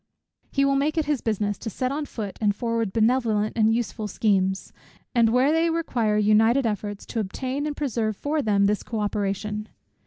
He will make it his business to set on foot and forward benevolent and useful schemes; and where they require united efforts, to obtain and preserve for them this co operation.